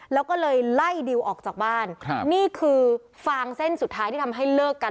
แล้วก็เลยไล่ดิวออกจากบ้านครับนี่คือฟางเส้นสุดท้ายที่ทำให้เลิกกัน